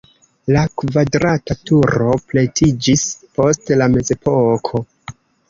La kvadrata turo pretiĝis post la mezepoko.